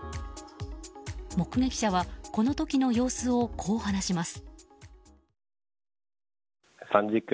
目撃者はこの時の様子をこう話します。